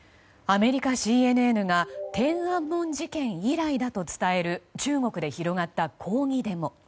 アメリカＣＮＮが天安門事件以来だと伝える中国で広がった抗議デモ。